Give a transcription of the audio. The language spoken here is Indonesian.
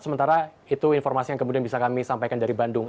sementara itu informasi yang kemudian bisa kami sampaikan dari bandung